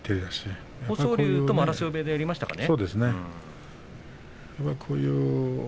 豊昇龍とも荒汐部屋でやりましたかね。